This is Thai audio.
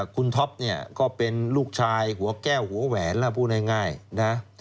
คุณท็อปเนี่ยก็เป็นลูกชายหัวแก้วหัวแหวนแล้วพูดง่ายนะ